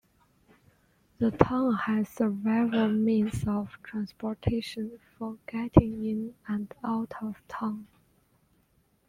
The town has several means of transportation for getting in and out of town.